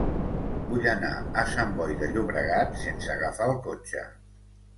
Vull anar a Sant Boi de Llobregat sense agafar el cotxe.